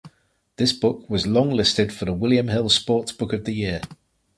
This book was longlisted for the William Hill Sports Book of the Year.